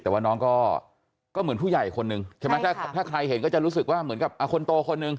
แต่ว่าน้องก็เหมือนผู้ใหญ่คนหนึ่งใช่ไหมถ้าใครเห็นก็จะรู้สึกว่าเหมือนกับคนโตคนหนึ่ง